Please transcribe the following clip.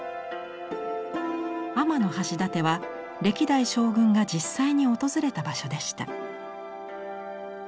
天橋立は歴代将軍が実際に訪れた場所でした。